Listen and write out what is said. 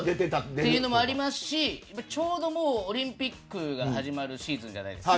そういうのもありますしちょうどオリンピックが始まるシーズンじゃないですか。